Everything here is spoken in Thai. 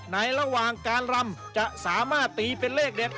ระหว่างการรำจะสามารถตีเป็นเลขเด็ด